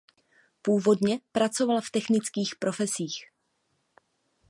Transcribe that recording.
Původně pracoval v technických profesích.